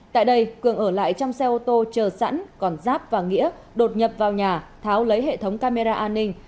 tại đây cường ở lại trong xe ô tô chờ sẵn còn giáp và nghĩa đột nhập vào nhà tháo lấy hệ thống camera an ninh